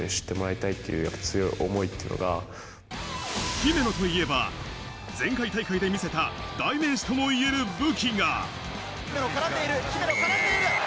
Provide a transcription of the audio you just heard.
姫野といえば前回大会で見せた代名詞ともいえる武器が。